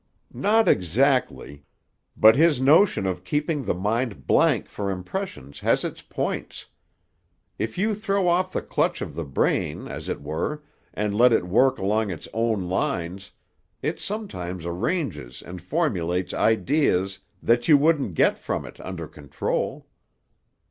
"Not exactly. But his notion of keeping the mind blank for impressions has its points. If you throw off the clutch of the brain, as it were, and let it work along its own lines, it sometimes arranges and formulates ideas that you wouldn't get from it under control."